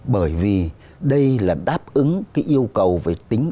bởi vì đây là đáp ứng cái yêu cầu về tính